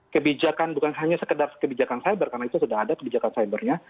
kebijakan bukan hanya sekedar kebijakan cyber karena itu sudah ada kebijakan cybernya